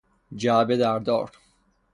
جعبهی در دار